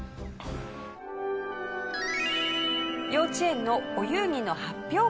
幼稚園のお遊戯の発表会です。